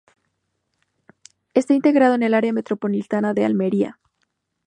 Está integrado en el Área Metropolitana de Almería.